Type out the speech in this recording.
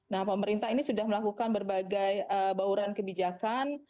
nah pemerintah ini sudah melakukan berbagai bauran kebijakan